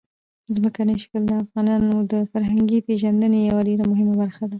ځمکنی شکل د افغانانو د فرهنګي پیژندنې یوه ډېره مهمه برخه ده.